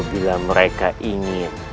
bila mereka ingin